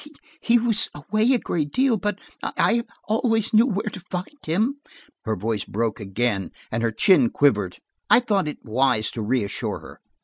He was away a great deal, but I always knew where to find him." Her voice broke again and her chin quivered. I thought it wise to reassure her.